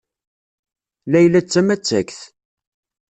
Layla d tamattakt.